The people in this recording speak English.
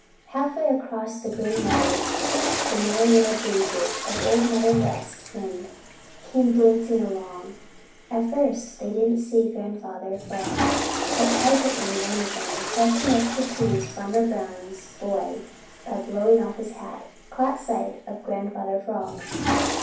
Half way across the Green Meadows the Merry Little Breezes of Old Mother West Wind came dancing along. At first they didn't see Grandfather Frog, but presently one of them, rushing up to tease Farmer Brown's boy by blowing off his hat, caught sight of Grandfather Frog.